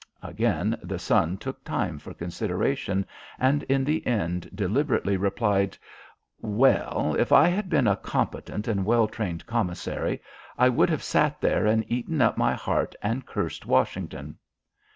Again the son took time for consideration, and in the end deliberately replied "Well, if I had been a competent and well trained Commissary I would have sat there and eaten up my heart and cursed Washington."